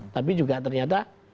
tapi juga ternyata